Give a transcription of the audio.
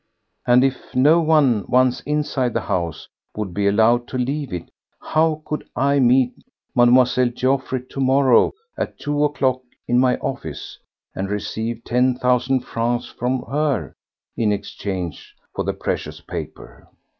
And if no one, once inside the house, would be allowed to leave it, how could I meet Mlle. Geoffroy to morrow at two o'clock in my office and receive ten thousand francs from her in exchange for the precious paper?